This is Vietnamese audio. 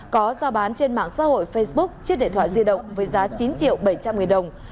có giao bán trên mạng xã hội facebook chiếc điện thoại di động với giá chín triệu bảy trăm linh nghìn đồng